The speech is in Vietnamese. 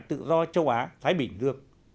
tự do châu á thái bình được